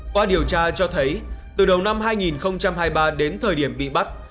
qua điều tra cho thấy từ đầu năm hai nghìn hai mươi ba đến thời điểm bị bắt